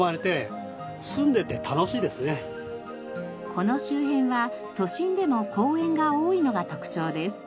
この周辺は都心でも公園が多いのが特徴です。